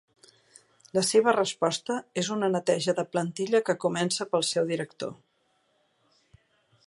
La seva resposta és una neteja de plantilla que comença pel seu director.